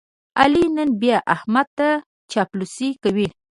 علي نن بیا احمد ته چاپلوسي کوي.